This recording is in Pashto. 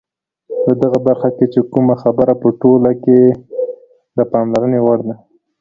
په دغه برخه کې چې کومه خبره په ټوله کې د پاملرنې وړ ده،